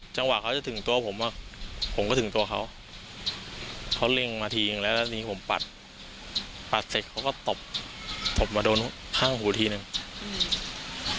จังหวะเขาจะถึงตัวผมอ่ะผมก็ถึงตัวเขาเขาเร่งมาทีนึงแล้วแล้วทีนี้ผมปัดปัดเสร็จเขาก็ตบผมมาโดนข้างหูทีหนึ่งอืม